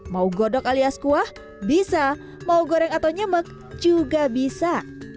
mau godok alias kuah bisa mau goreng atau nyemek juga bisa